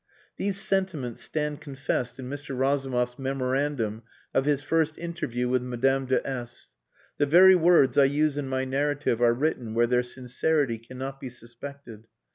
These sentiments stand confessed in Mr. Razumov's memorandum of his first interview with Madame de S . The very words I use in my narrative are written where their sincerity cannot be suspected.